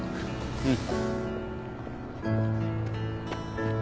うん。